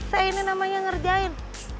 sese ini namanya ngerjain